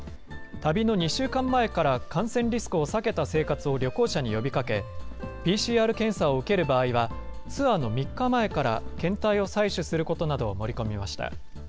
旅の２週間前から感染リスクを避けた生活を旅行者に呼びかけ、ＰＣＲ検査を受ける場合は、ツアーの３日前から検体を採取することなどを盛り込みました。